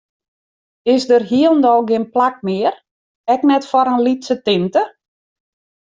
Is der hielendal gjin plak mear, ek net foar in lytse tinte?